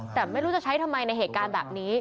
สงสัยไม่รู้จะใช้ทำไมในเหตุการณ์อ่ะฮะ